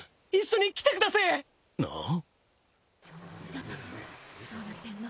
ちょっとどうなってんの？